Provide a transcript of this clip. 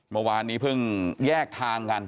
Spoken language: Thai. เมื่อวานนี้เพิ่งแยกทางกัน